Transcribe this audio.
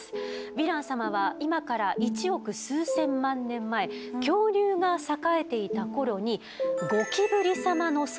ヴィラン様は今から一億数千万年前恐竜が栄えていた頃にゴキブリ様の祖先から分かれたといわれております。